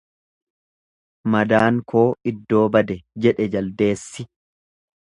Madaan koo iddoo bade jedhe jaldeessi.